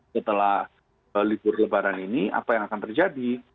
setelah libur lebaran ini apa yang akan terjadi